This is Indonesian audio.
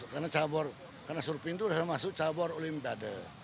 karena suruh pintu bisa masuk cabur olimpiade